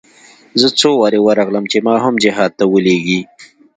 زه څو وارې ورغلم چې ما هم جهاد ته ولېږي.